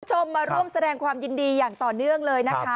คุณผู้ชมมาร่วมแสดงความยินดีอย่างต่อเนื่องเลยนะคะ